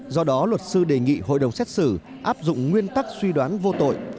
do đó luật sư đề nghị hội đồng xét xử áp dụng nguyên tắc suy đoán vô tội